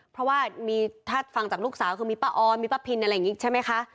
เพราะว่าถ้าฟังจากลูกสาวคือมีป้าออนมีป้าพินอะไรอย่างนี้ใช่ไหมคะ